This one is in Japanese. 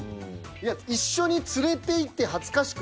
いや一緒に連れていって恥ずかしく。